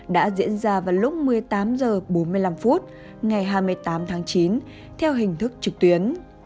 đã diễn ra vào lúc một mươi tám h bốn mươi năm phút ngày hai mươi tám tháng chín theo hình thức trực tuyến